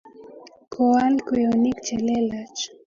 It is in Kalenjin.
koal kweyonik che lelach